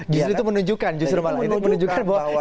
justru itu menunjukkan justru malah menunjukkan bahwa